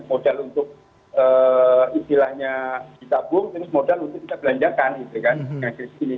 modal untuk istilahnya ditabung terus modal untuk kita belanjakan gitu kan dengan krisis ini